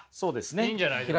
いいんじゃないですか。